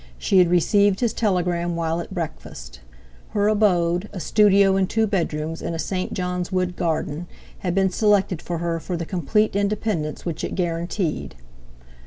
She had received his telegram while at breakfast. Her abode—a studio and two bedrooms in a St. John's Wood garden—had been selected by her for the complete independence which it guaranteed.